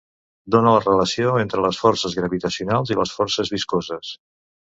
Dóna la relació entre les forces gravitacionals i les forces viscoses.